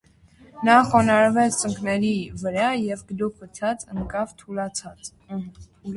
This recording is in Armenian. Նա խոնարհվեց ծնկների վրա, և գլուխը ցած ընկավ թուլացած: